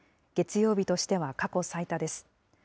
月曜日としては過去最多です。